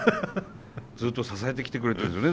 ずっと支えてきてくれたんですよね？